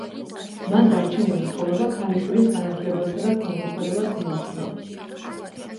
მან დარჩენილი ცხოვრება ქალიშვილის განათლებასა და ქველმოქმედებას მიუძღვნა.